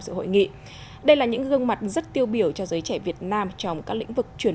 dự hội nghị đây là những gương mặt rất tiêu biểu cho giới trẻ việt nam trong các lĩnh vực truyền